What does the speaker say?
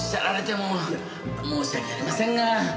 申し訳ありませんが。